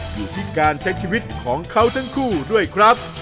อยู่ที่การใช้ชีวิตของเขาทั้งคู่ด้วยครับ